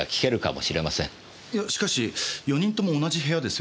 いやしかし４人とも同じ部屋ですよ。